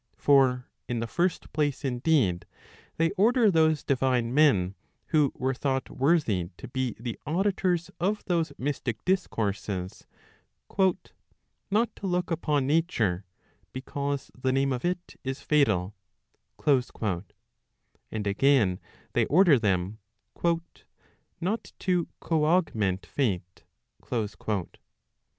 For in the first place indeed, they order those divine men who were thought worthy to be the auditors of those mystic discourses, " not to look upon nature , became the name of it is fatal" And again, they order them " not to co augment Fate."